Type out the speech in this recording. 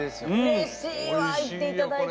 うれしいわ言っていただいて。